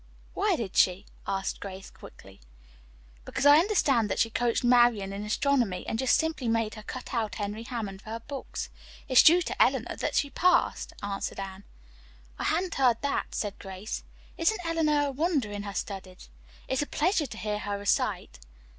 "Why did she?" asked Grace quickly. "Because I understand that she coached Marian in astronomy and just simply made her cut out Henry Hammond for her books. It's due to Eleanor that she passed," answered Anne. "I hadn't heard that," said Grace. "Isn't Eleanor a wonder in her studies? It's a pleasure to hear her recite."